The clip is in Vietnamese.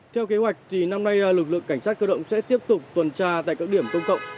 theo kế hoạch thì năm nay lực lượng cảnh sát cơ động sẽ tiếp tục tuần tra tại các điểm công cộng